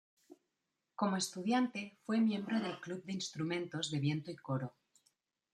Como estudiante, fue miembro del club de instrumentos de viento y coro.